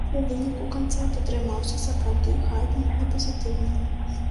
У выніку канцэрт атрымаўся сапраўды хатнім і пазітыўным.